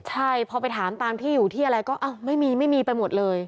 ใช่พอไปถามตามที่อยู่ที่อะไรก็อ้าวไม่มีไม่มีไปหมดเลย